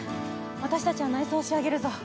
私たちは内装を仕上げるぞ。